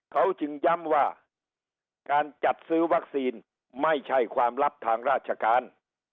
เขาจึงย้ำว่าการจัดซื้อวัคซีนไม่ใช่ความลับทางราชการ